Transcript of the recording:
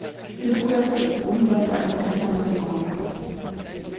Ihr Bruder Fritz Grunewald war ein bekannter Mathematiker.